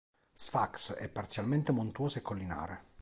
Sfax è parzialmente montuosa e collinare.